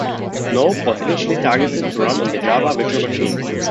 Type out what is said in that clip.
Noop was initially targeted to run on the Java Virtual Machine.